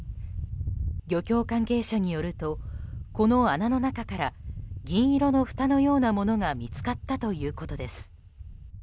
漁協関係者によるとこの穴の中から銀色のふたのようなものが見つかったということです。